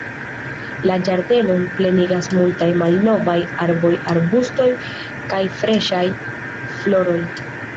La ĝardenon plenigas multaj malnovaj arboj, arbustoj kaj freŝaj floroj.